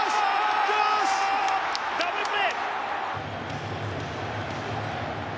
ダブルプレー！